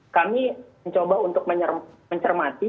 kami mencoba untuk mencermati